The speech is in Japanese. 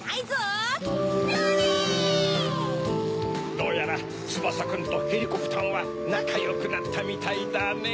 どうやらつばさくんとヘリコプタンはなかよくなったみたいだねぇ。